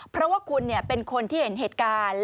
เพราะว่าคุณเป็นคนที่เห็นเหตุการณ์